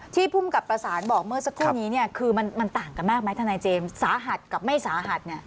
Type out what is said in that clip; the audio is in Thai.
ภูมิกับประสานบอกเมื่อสักครู่นี้คือมันต่างกันมากไหมทนายเจมส์สาหัสกับไม่สาหัส